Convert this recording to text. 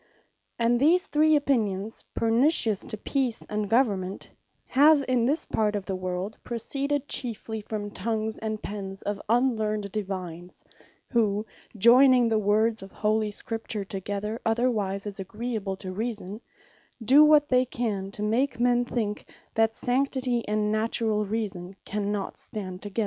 And these three opinions, pernicious to Peace and Government, have in this part of the world, proceeded chiefly from the tongues, and pens of unlearned Divines; who joyning the words of Holy Scripture together, otherwise than is agreeable to reason, do what they can, to make men think, that Sanctity and Naturall Reason, cannot stand together.